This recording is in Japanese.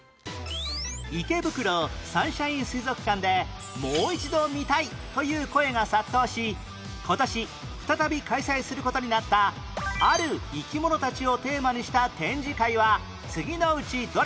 池袋サンシャイン水族館でもう一度見たいという声が殺到し今年再び開催する事になったある生き物たちをテーマにした展示会は次のうちどれ？